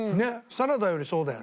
サラダよりそうだよね。